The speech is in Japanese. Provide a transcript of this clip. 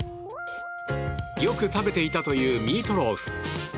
よく食べていたというミートローフ。